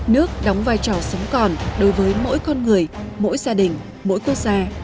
nước đóng vai trò sống còn đối với mỗi con người mỗi gia đình mỗi quốc gia